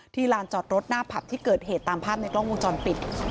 ลานจอดรถหน้าผับที่เกิดเหตุตามภาพในกล้องวงจรปิด